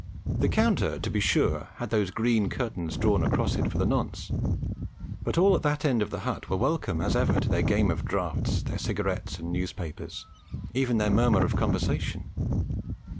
The counter, to be sure, had those green curtains drawn across it for the nonce. But all at that end of the hut were welcome as ever to their game of draughts, their cigarettes and newspapers, even their murmur of conversation.